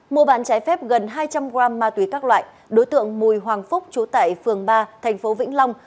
một bản trái phép gần hai trăm linh g ma túy các loại đối tượng mùi hoàng phúc trú tại phường ba thành phố vĩnh long